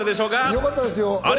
よかったですよ。